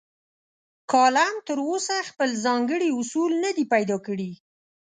کالم تراوسه خپل ځانګړي اصول نه دي پیدا کړي.